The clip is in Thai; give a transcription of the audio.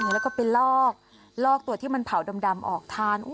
แล้วก็ไปลอกลอกตัวที่มันเผาดำออกทาน